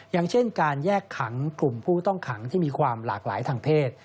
อย่างเช่นการแยกขังกลุ่มผู้ต้องขังที่มีความหลากหลายทางเพศ